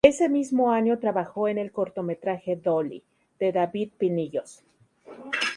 Ese mismo año trabajó en el cortometraje "Dolly", de David Pinillos.